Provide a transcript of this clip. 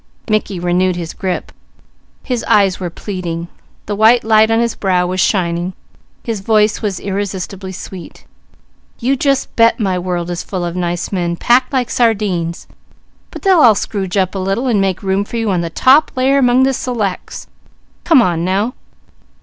Mickey renewed his grip. His eyes were pleading, the white light on his brow was shining, his voice was irresistibly sweet: "You just bet my world is full of nice men, packed like sardines; but they'll all scrooge up a little and make room for you on the top layer among the selects! Come on now!